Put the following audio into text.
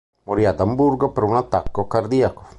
Morì ad Amburgo per un attacco cardiaco.